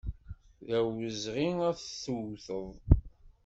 D awezɣi ad t-tewteḍ.